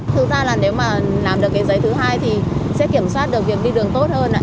thực ra là nếu mà làm được cái giấy thứ hai thì sẽ kiểm soát được việc đi đường tốt hơn